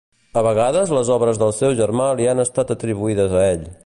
A vegades les obres del seu germà li han estat atribuïdes a ell.